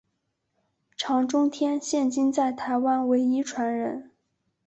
常中天现今在台湾唯一传人。